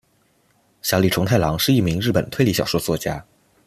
小栗虫太郎是一名日本推理小说作家。